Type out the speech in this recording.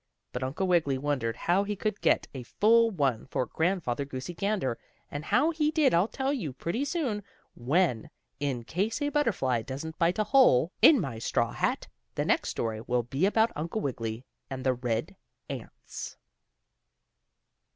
But Uncle Wiggily wondered how he could get a full one for Grandfather Goosey Gander, and how he did I'll tell you pretty soon, when, in case a butterfly doesn't bite a hole in my straw hat, the next story will be about Uncle Wiggily and the red ants.